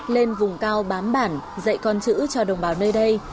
lên vùng cao bám bản dạy con chữ cho đồng bào nơi đây